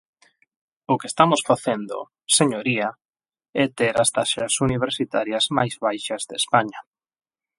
O que estamos facendo, señoría, é ter as taxas universitarias máis baixas de España.